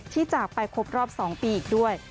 ที่จากไปครบรอบสองปีอีกด้วย